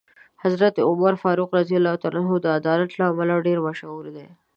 حضرت عمر فاروق رض د عدالت له امله ډېر مشهور دی.